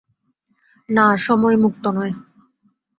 না, সময় মুক্ত নয়।